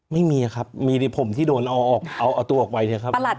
ไม่มีครับมีผมที่โดนเอาตัวออกไว้นะครับ